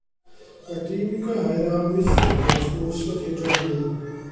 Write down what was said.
Wedi i mi gyrraedd yr Amwythig, roedd bws wedi'i drefnu.